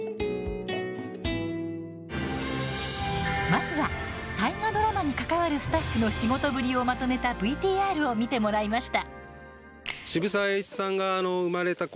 まずは大河ドラマに関わるスタッフの仕事ぶりをまとめたＶＴＲを見てもらいました。